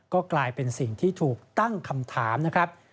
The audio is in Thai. ก็กลายเป็นสิ่งที่ถูกตั้งคำถามนะครับ